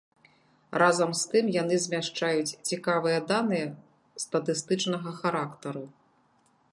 Разам з тым яны змяшчаюць цікавыя даныя статыстычнага характару.